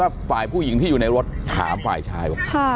เอาเป็นว่าฝ่ายผู้หญิงพี่อยู่ในรถขาบฝ่ายชาย